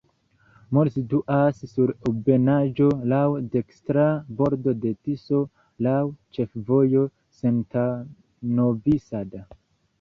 Mol situas sur ebenaĵo, laŭ dekstra bordo de Tiso, laŭ ĉefvojo Senta-Novi Sad.